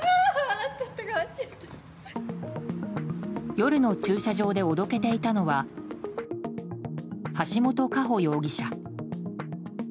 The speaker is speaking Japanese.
夜の駐車場でおどけていたのは橋本佳歩容疑者。